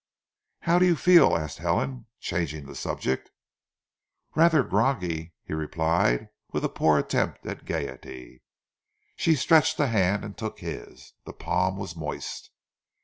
"How do you feel?" asked Helen, changing the subject. "Rather groggy," he replied with a poor attempt at gaiety. She stretched a hand and took his. The palm was moist.